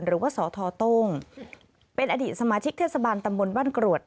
หรือว่าสทต้งเป็นอดีตสมาชิกเทศบาลตำบลบ้านกรวด